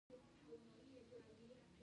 څنګه کولی شم د فایور له لارې پیسې وګټم